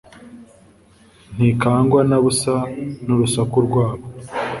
ntikangwa na busa n’urusaku rwabo,